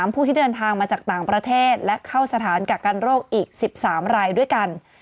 ผู้ที่เดินทางมาจากต่างประเทศและเข้าสถานกักกันโรคอีก๑๓รายด้วยกัน